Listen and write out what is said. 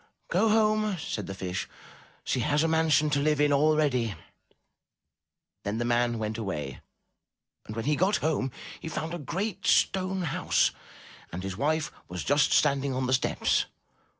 "Go home," said the Fish. "She has a mansion to live in already." Then the man went away and when he got home he found a great stone house and his wife was just standing on the steps.